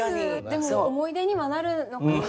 でも思い出にはなるのかな？